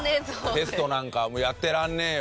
テストなんかもうやってらんねえよ！